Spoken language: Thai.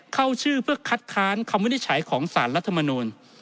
เข้าชื่อเพื่อคัดค้านคำวินิจฉัยของสารรัฐมนูล